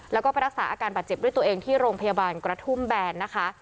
แล้วก็ไปรักษาอาการบาดเจ็บด้วยตัวเองที่โรงพยาบาลกระทุ่มแบนนะคะ